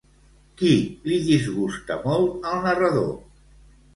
Qui li disgusta molt al narrador?